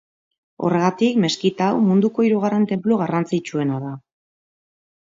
Horregatik, meskita hau munduko hirugarren tenplu garrantzitsuena da.